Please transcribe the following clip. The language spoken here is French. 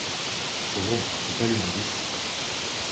C’est vrai, on ne peut pas lui enlever ça.